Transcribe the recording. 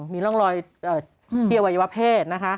มีร่องรอยเทียววัยวะเพศ